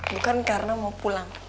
bukan karena mau pulang